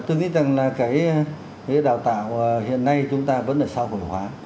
tôi nghĩ rằng là cái đào tạo hiện nay chúng ta vẫn là xã hội hóa